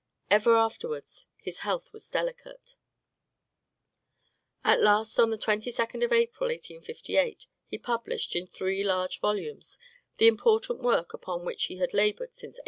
Ever afterwards his health was delicate. At last, on the 22d of April, 1858, he published, in three large volumes, the important work upon which he had labored since 1854.